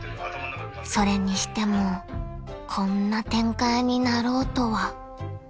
［それにしてもこんな展開になろうとは］